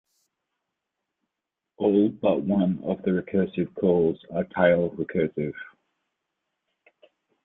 All but one of the recursive calls are tail recursive.